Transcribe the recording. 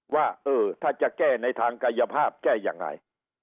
ว่าเออถ้าจะแก้ในทางกายภาพแก้ยังไง